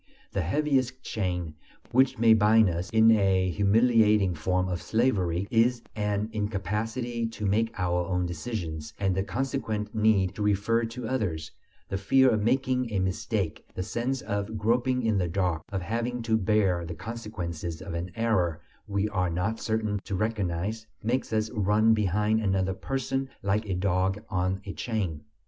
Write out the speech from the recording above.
The heaviest chain, which may bind us in a humiliating form of slavery, is an incapacity to make our own decisions, and the consequent need to refer to others; the fear of making "a mistake," the sense of groping in the dark, of having to bear the consequences of an error we are not certain to recognize, makes us run behind another person like a dog on a chain.